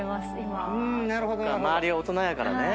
周りは大人やからね。